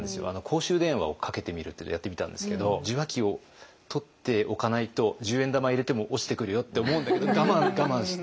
公衆電話をかけてみるっていうのやってみたんですけど受話器を取っておかないと十円玉入れても落ちてくるよって思うんだけど我慢我慢。